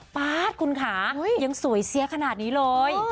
ป๊าดคุณค่ะยังสวยเสียขนาดนี้เลย